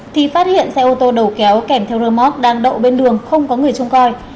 thì phát hiện xe ô tô đầu kéo kèm theo rơ móc đang đậu bên đường không có người trông coi